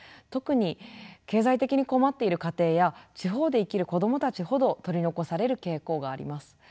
特に経済的に困っている家庭や地方で生きる子どもたちほど取り残される傾向があります。